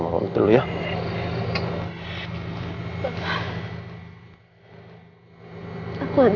masa untuk meninggalkan kamu